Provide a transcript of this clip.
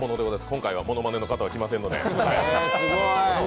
今回はものまねの方は来ませんので。